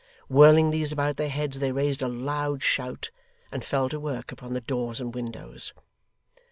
Whirling these about their heads they raised a loud shout, and fell to work upon the doors and windows.